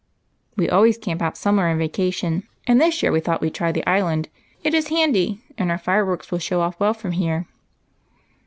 " We always camp out somewhere in vacation, and this year we thought we 'd try the Island. It is handy, and our fire works will show off well from here."